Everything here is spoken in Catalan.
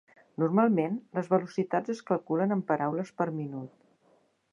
Normalment, les velocitats es calculen en paraules per minut.